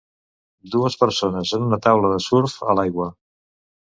Dues persones en una taula de surf a l'aigua